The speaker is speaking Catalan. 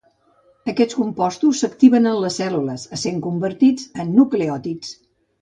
Aquests compostos s'activen en les cèl·lules essent convertits en nucleòtids.